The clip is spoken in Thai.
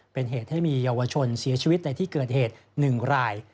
เป็นเหตุให้มีเยาวชนเสียชีวิตในที่เกิดเหตุ๑ราย